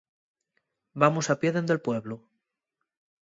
Vamos a pie dende'l pueblu.